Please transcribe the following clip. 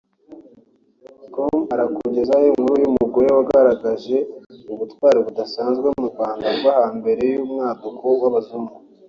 com arakugezaho inkuru y’umugore wagaragaje ubutwari budasanzwe mu Rwanda rwo hambere y’umwaduko w’abazungu